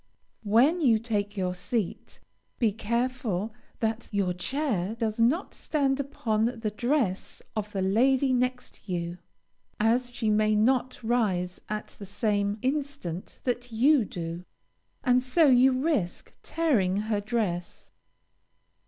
When you take your seat, be careful that your chair does not stand upon the dress of the lady next you, as she may not rise at the same instant that you do, and so you risk tearing her dress.